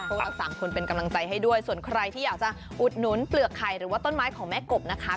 พวกเราสามคนเป็นกำลังใจให้ด้วยส่วนใครที่อยากจะอุดหนุนเปลือกไข่หรือว่าต้นไม้ของแม่กบนะคะ